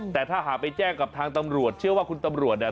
แต่ถ้าหากไปแจ้งกับทางตำรวจเชื่อว่าคุณตำรวจเนี่ย